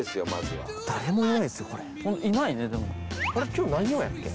今日何曜やっけ？